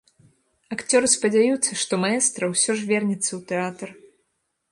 Акцёры спадзяюцца, што маэстра ўсё ж вернецца ў тэатр.